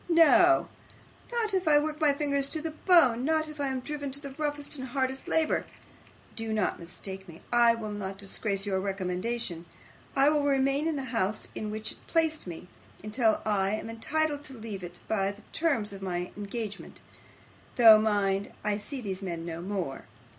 No, not if I work my fingers to the bone, not if I am driven to the roughest and hardest labour. Do not mistake me. I will not disgrace your recommendation. I will remain in the house in which it placed me, until I am entitled to leave it by the terms of my engagement; though, mind, I see these men no more.